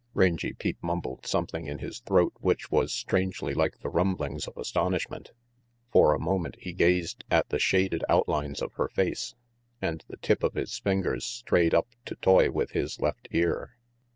Rangy Pete mumbled something in his throat which was strangely like the rumblings of astonish ment. For a moment he gazed at the shaded out lines of her face, and the tip of his fingers strayed up to toy with his left ear.